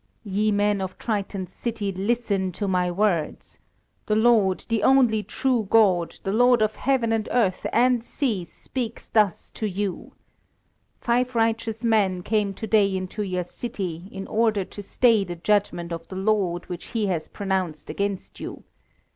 "Ye men of Triton's city, listen to my words! The Lord, the only true God, the Lord of heaven and earth and sea speaks thus to you. Five righteous men came to day into your city in order to stay the judgment of the Lord which He has pronounced against you.